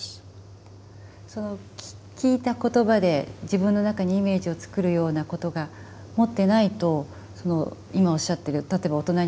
その聞いた言葉で自分の中にイメージを作るようなことが持ってないと今おっしゃってる例えば大人になっても本が読めない。